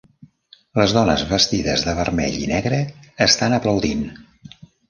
Les dones vestides de vermell i negre estan aplaudint.